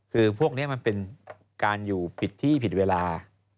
คือพวกนี้มันเป็นการอยู่ผิดที่ผิดเวลา